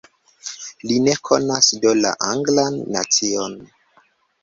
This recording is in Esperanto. Li ne konas do la Anglan nacion.